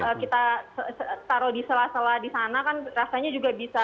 kalau kita taruh di sela sela di sana kan rasanya juga bisa